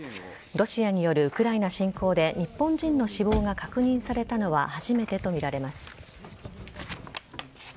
ロシアによるウクライナ侵攻で日本人の死亡が確認されたのは初めてとみられます。